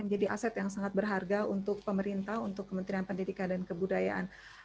menjadi aset yang sangat berharga untuk pemerintah untuk kementerian pendidikan dan kebudayaan